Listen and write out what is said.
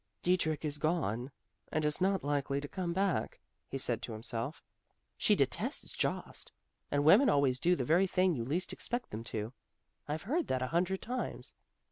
"Dietrich is gone, and is not likely to come back," he said to himself, "she detests Jost; and women always do the very thing you least expect them to; I've heard that a hundred times.